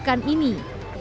dan yang dihiyurkan ini